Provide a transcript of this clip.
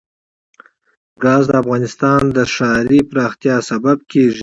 ګاز د افغانستان د ښاري پراختیا سبب کېږي.